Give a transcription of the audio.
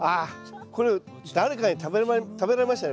これ誰かに食べられましたね。